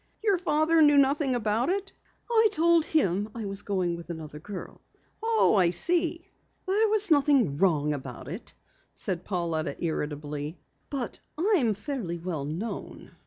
"Your father knew nothing about it?" "I told him I was going with another girl." "Oh, I see." "There was nothing wrong about it," Pauletta said irritably. "But I'm fairly well known.